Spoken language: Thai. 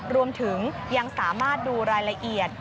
รวมถึงยังสามารถดูรายละเอียด